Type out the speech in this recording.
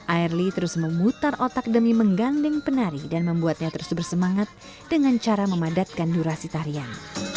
airly terus memutar otak demi menggandeng penari dan membuatnya terus bersemangat dengan cara memadatkan durasi tarian